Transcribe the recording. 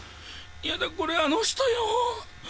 ヤダこれあの人よ。